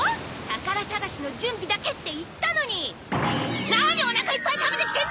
宝探しの準備だけって言ったのに何おなかいっぱい食べてきてんの！